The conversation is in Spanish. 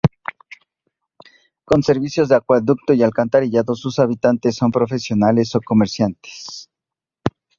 Con servicios de acueducto y alcantarillado, y sus habitantes son profesionales o comerciantes.